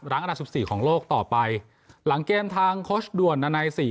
อันดับสิบสี่ของโลกต่อไปหลังเกมทางโค้ชด่วนนานัยสี่